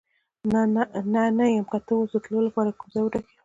نه، نه یم، که ته اوس د تلو لپاره کوم ځای وټاکې.